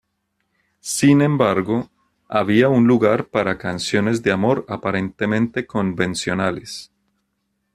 Sin embargo, había un lugar para canciones de amor aparentemente convencionales.